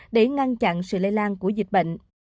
để ngăn chặn sự lây lan của dịch bệnh